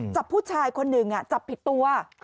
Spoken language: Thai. จับผู้ชายคนหนึ่งจับผิดตัว